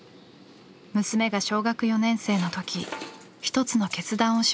娘が小学４年生の時一つの決断をしました。